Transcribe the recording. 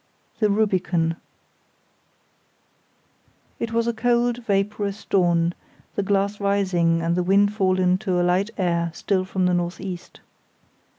The Rubicon It was a cold, vaporous dawn, the glass rising, and the wind fallen to a light air still from the north east.